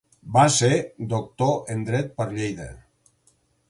Va ser doctor en dret per Lleida.